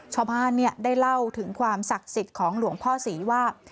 ชาวบ้านได้เล่าถึงความศักดิ์สิทธิ์ของหลวงพ่อศรีว่า